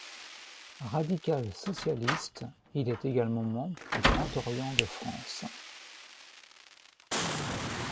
Radical-socialiste, il est également membre du Grand Orient de France.